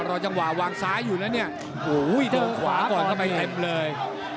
รอจังหวะวางซ้ายอยู่นะเนี่ยโอ้โหเจอขวาก่อนเข้าไปเต็มเลย